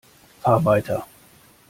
Fahr weiter!